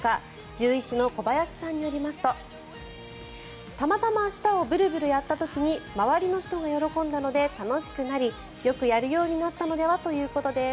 獣医師の小林さんによりますとたまたま舌をブルブルやった時に周りの人が喜んだので楽しくなりよくやるようになったのではということです。